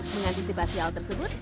mengantisipasi hal tersebut